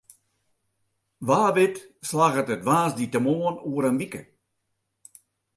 Wa wit slagget it woansdeitemoarn oer in wike.